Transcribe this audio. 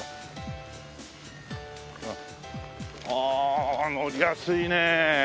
ああ乗りやすいね。